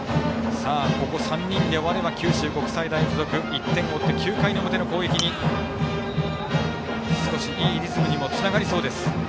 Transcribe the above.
ここ３人で終われば九州国際大付属１点を追って９回表の攻撃に少しいいリズムにつながりそうです。